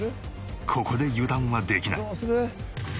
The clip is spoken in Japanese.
ここで油断はできない。